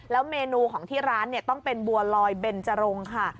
เมนูของที่ร้านต้องเป็นบัวลอยเบนจรงค่ะ